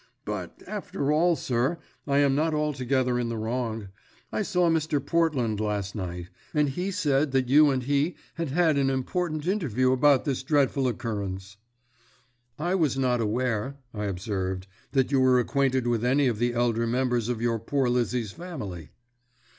But, after all, sir, I am not altogether in the wrong. I saw Mr. Portland last night, and he said that you and he had had an important interview about this dreadful occurrence." "I was not aware," I observed, "that you were acquainted with any of the elder members of your poor Lizzie's family."